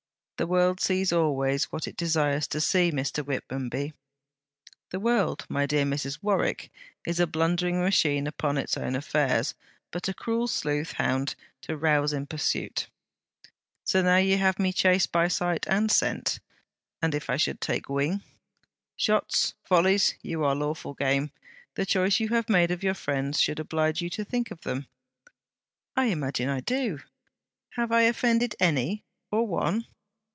'The world sees always what it desires to see, Mr. Whitmonby.' 'The world, my dear Mrs. Warwick, is a blundering machine upon its own affairs, but a cruel sleuth hound to rouse in pursuit.' 'So now you have me chased by sight and scent. And if I take wing?' 'Shots! volleys! You are lawful game. The choice you have made of your friends, should oblige you to think of them.' 'I imagine I do. Have I offended any, or one?'